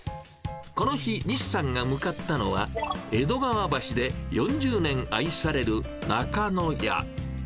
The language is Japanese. この日、西さんが向かったのは、江戸川橋で４０年愛されるナカノヤ。